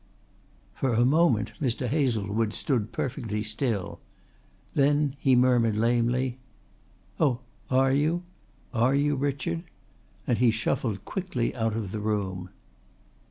For a moment Mr. Hazlewood stood perfectly still. Then he murmured lamely: "Oh, are you? Are you, Richard?" and he shuffled quickly out of the room.